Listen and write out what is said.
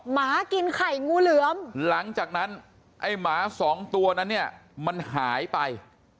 หมากินไข่งูเหลือมหลังจากนั้นไอ้หมาสองตัวนั้นเนี่ยมันหายไป